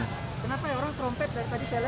kenapa ya orang trompet tadi selet